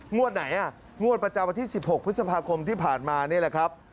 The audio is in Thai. ไหนอ่ะงวดประจำวันที่๑๖พฤษภาคมที่ผ่านมานี่แหละครับ